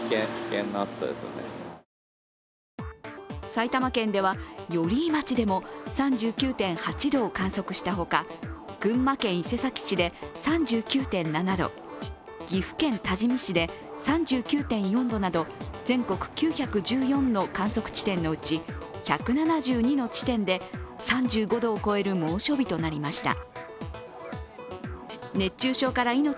埼玉県では寄居町でも３９．８度を観測したほか、群馬県伊勢崎市で３９．７度岐阜県多治見市で３９．４度など全国９１４の観測地点のうち１７２の地点で３５度を超える猛暑日となりました。